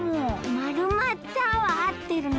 「まるまった」はあってるの。